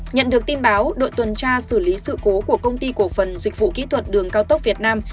nhận được tin báo đội tuần tra xử lý sự cố của công ty cổ phần dịch vụ kỹ thuật đường cao tốc việt nam